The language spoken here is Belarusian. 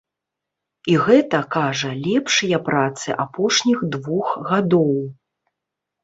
І гэта, кажа, лепшыя працы апошніх двух гадоў.